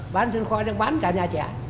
bán sân kho thì bán cả nhà trẻ